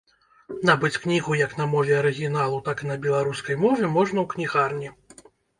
Набыць кнігу як на мове арыгіналу, так і на беларускай мове можна ў кнігарні.